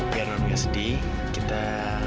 biar non gak sedih kita